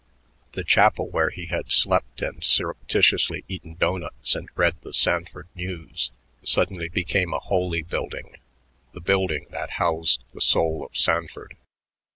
The chapel where he had slept and surreptitiously eaten doughnuts and read "The Sanford News" suddenly became a holy building, the building that housed the soul of Sanford....